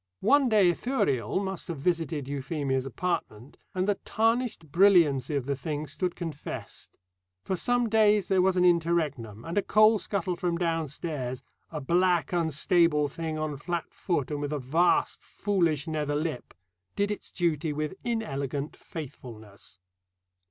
One day Ithuriel must have visited Euphemia's apartment, and the tarnished brilliancy of the thing stood confessed. For some days there was an interregnum, and a coal scuttle from downstairs a black unstable thing on flat foot and with a vast foolish nether lip did its duty with inelegant faithfulness.